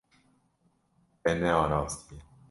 Te nearastiye.